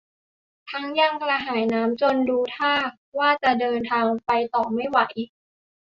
ทั้งยังกระหายน้ำจนดูท่าว่าจะเดินทางไปต่อไม่ไหว